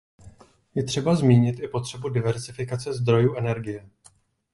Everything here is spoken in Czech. Je třeba zmínit i potřebu diversifikace zdrojů energie.